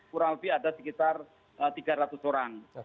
kurang lebih ada sekitar tiga ratus orang